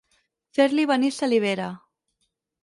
Fer-li venir salivera.